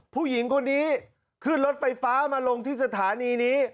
ผู้หญิงคนนี้ขึ้นรถไฟฟ้ามาลงที่สถานีนี้